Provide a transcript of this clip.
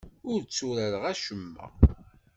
Ur tturareɣ acemma.